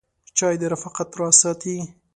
چای د رفاقت راز ساتي.